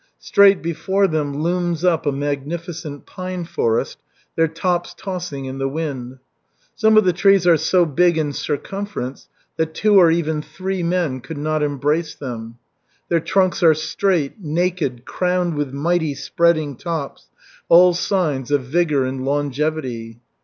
Straight before them looms up a magnificent pine forest, their tops tossing in the wind. Some of the trees are so big in circumference that two or even three men could not embrace them. Their trunks are straight, naked, crowned with mighty, spreading tops all signs of vigor and longevity.